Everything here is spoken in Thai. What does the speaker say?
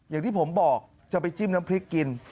อย่างที่ผมบอกจะไปจิ้มน้ำพริกกิน